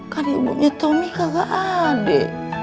kan ibunya tommy kagak ada